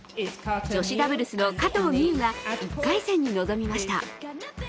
女子ダブルスの加藤未唯が１回戦に臨みました。